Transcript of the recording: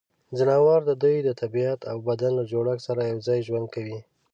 ځناور د دوی د طبعیت او بدن له جوړښت سره یوځای ژوند کوي.